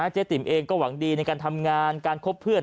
เจ๊ติ๋มเองก็หวังดีในการทำงานการคบเพื่อน